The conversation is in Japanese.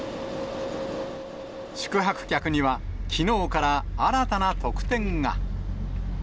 宿泊客には、きのうから新たな特典が。